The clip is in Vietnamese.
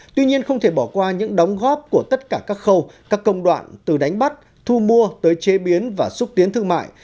tuy nhiên không thể bỏ qua những đóng góp của tất cả các khâu các công đoạn từ đánh bắt thu mua tới chế biến và xúc tiến thương mại